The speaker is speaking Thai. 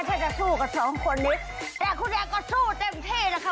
ถ้าจะสู้กับสองคนนี้แต่คุณยายก็สู้เต็มที่แล้วค่ะ